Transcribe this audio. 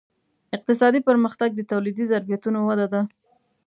اقتصادي پرمختګ د تولیدي ظرفیتونو وده ده.